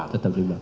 tetap di belakang